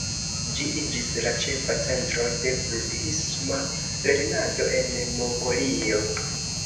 Ĝi iĝis la ĉefa centro de budhisma lernado en Mongolio.